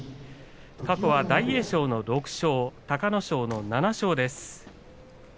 過去は大栄翔の６勝隆の勝の７勝です。